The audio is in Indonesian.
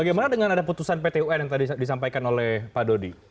bagaimana dengan ada putusan pt un yang tadi disampaikan oleh pak dodi